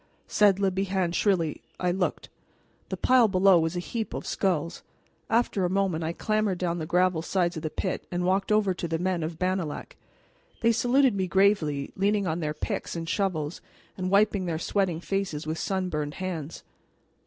said Le Bihan shrilly. I looked. The pile below was a heap of skulls. After a moment I clambered down the gravel sides of the pit and walked over to the men of Bannalec. They saluted me gravely, leaning on their picks and shovels, and wiping their sweating faces with sunburned hands.